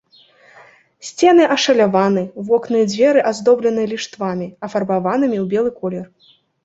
Сцены ашаляваны, вокны і дзверы аздоблены ліштвамі, афарбаванымі ў белы колер.